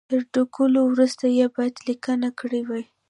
تر ډکولو وروسته یې باید لیکه کړي وای.